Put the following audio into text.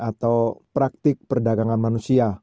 atau praktik perdagangan manusia